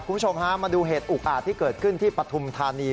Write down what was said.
คุณผู้ชมฮะมาดูเหตุอุกอาจที่เกิดขึ้นที่ปฐุมธานี